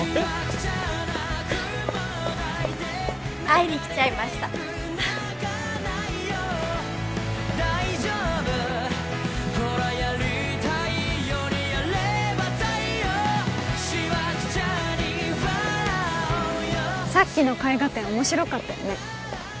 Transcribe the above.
会いに来ちゃいましたさっきの絵画展面白かったよね